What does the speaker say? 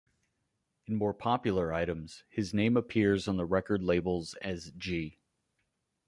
In more popular items, his name appears on the record labels as 'G.